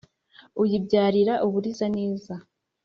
uyibyarira uburiza neza,